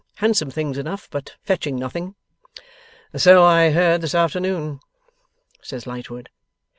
Handsome things enough, but fetching nothing.' 'So I heard this afternoon,' says Lightwood.